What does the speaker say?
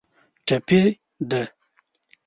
ټپي ده.